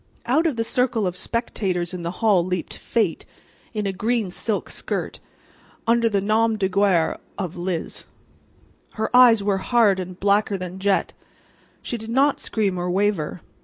Out from the circle of spectators in the hall leaped Fate in a green silk skirt, under the nom de guerre of "Liz." Her eyes were hard and blacker than jet. She did not scream or waver.